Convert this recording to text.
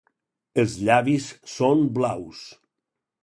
Els llavis són blaus.